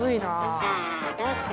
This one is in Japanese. さあどうする？